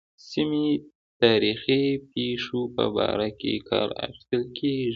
سیمې تاریخي پېښو په باره کې کار اخیستل کېږي.